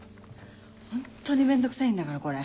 ホントに面倒くさいんだからこれ。